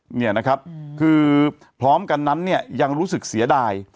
เนี่ยนะครับคือพร้อมกันนั้นเนี่ยยังรู้สึกเสียดาย